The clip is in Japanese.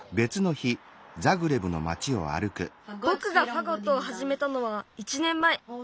ぼくがファゴットをはじめたのは１ねんまえ。